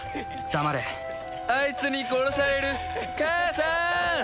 黙れあいつに殺される母さん！